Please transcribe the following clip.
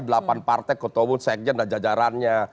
delapan partai ketua umum sekjen dan jajarannya